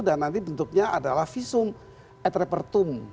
dan nanti bentuknya adalah visum et repertum